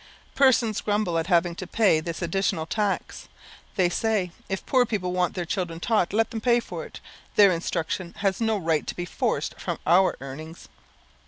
Persons grumble at having to pay this additional tax. They say, "If poor people want their children taught, let them pay for it: their instruction has no right to be forced from our earnings."